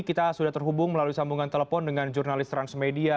kita sudah terhubung melalui sambungan telepon dengan jurnalis transmedia